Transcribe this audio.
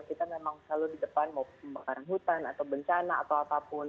kita memang selalu di depan mau pembakaran hutan atau bencana atau apapun